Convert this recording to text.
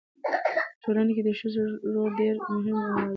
په ټولنه کې د ښځو رول ډېر مهم او اړین دی.